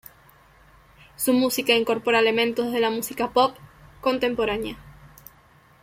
Su música incorpora elementos de la música "pop" contemporánea.